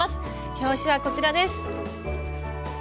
表紙はこちらです。